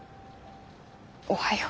おはよう。